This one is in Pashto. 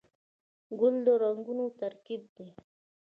ګل د رنګونو ترکیب دی.